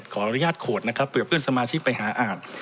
ขออนุญาตโขดนะครับเผื่อเพื่อนสมาชิกไปหาอ่าน